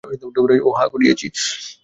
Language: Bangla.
ওহ, হ্যাঁ, করিয়েছি।